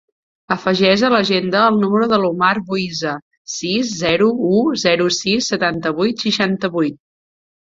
Afegeix a l'agenda el número de l'Omar Buiza: sis, zero, u, zero, sis, setanta-vuit, seixanta-vuit.